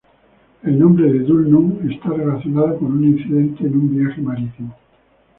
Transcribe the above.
El nombre de Dhul-Nun está relacionado con un incidente en un viaje marítimo.